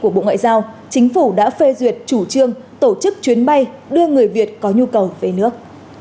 của bộ ngoại giao chính phủ đã phê duyệt chủ trương tổ chức chuyến bay đưa người việt có nhu cầu về nước